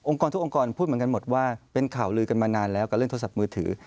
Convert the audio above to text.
ทุกองค์กรพูดเหมือนกันหมดว่าเป็นข่าวลือกันมานานแล้วกับเรื่องโทรศัพท์มือถือ